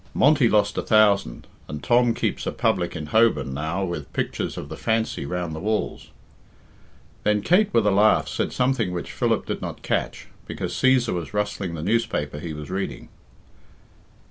Monty lost a thousand, and Tom keeps a public in Holborn now with pictures of the Fancy round the walls." Then Kate, with a laugh, said something which Philip did not catch, because Cæsar was rustling the newspaper he was reading.